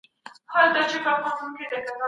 ښه ذهنیت د بریالیتوب لپاره اړین دی.